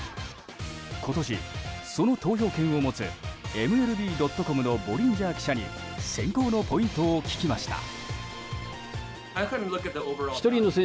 今年、その投票権を持つＭＬＢ．ｃｏｍのボリンジャー記者に選考のポイントを聞きました。